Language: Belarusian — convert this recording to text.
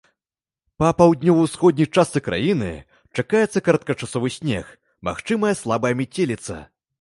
Па паўднёва-ўсходняй частцы краіны чакаецца кароткачасовы снег, магчымая слабая мяцеліца.